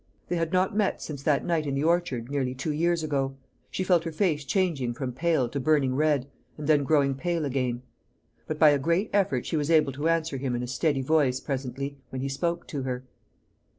They had not met since that night in the orchard, nearly two years ago. She felt her face changing from pale to burning red, and then growing pale again. But by a great effort she was able to answer him in a steady voice presently when he spoke to her.